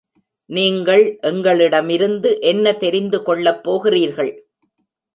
நீங்கள் எங்களிடமிருந்து என்ன தெரிந்து கொள்ளப் போகிறீர்கள்?